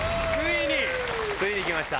ついにきました。